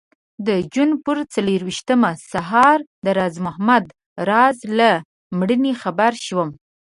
د جون پر څلرویشتمه سهار د راز محمد راز له مړینې خبر شوم.